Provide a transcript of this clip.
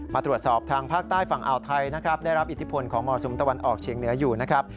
มาตรวจสอบทางภาคใต้ฝั่งอ่าวไทยนะครับได้รับอิทธิพลของมรสุมตะวันออกเฉียงเหนืออยู่นะครับ